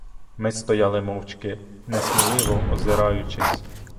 Ми стояли мовчки, несміливо озираючись.